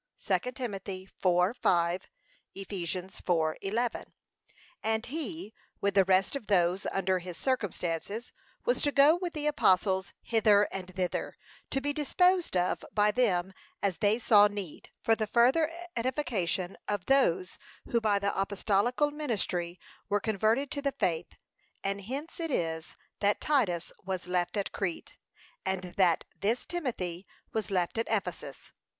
(2 Tim. 4:5; Eph. 4:11) And he with the rest of those under his circumstances was to go with the apostles hither and thither, to be disposed of by them as they saw need, for the further edification of those who by the apostolical ministry were converted to the faith: and hence it is, that Titus was left at Crete, and that this Timothy was left at Ephesus.